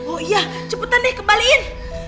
oh iya cepetan deh kembaliin